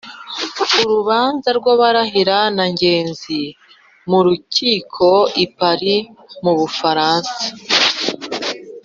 Urubanza rwa Barahira na Ngenzi m'urukiko i Paris m'Ubufaransa.